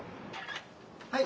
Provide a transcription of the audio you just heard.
はい。